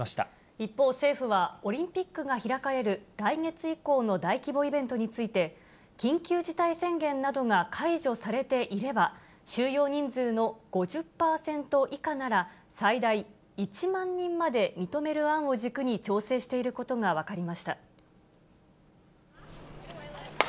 一方、政府は、オリンピックが開かれる来月以降の大規模イベントについて、収容人数の５０％以下なら、最大１万人まで認める案を軸に調整していることが分かりました。